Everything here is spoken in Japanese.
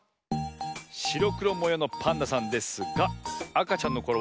しろくろもようのパンダさんですがあかちゃんのころ